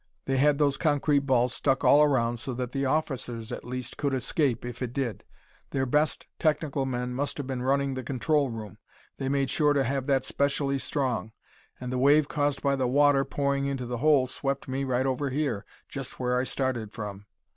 They had those concrete balls stuck all around so that the officers at least could escape, if it did. Their best technical men must have been running the control room. They made sure to have that specially strong. And the wave caused by the water pouring into the hole swept me right over here, just where I started from."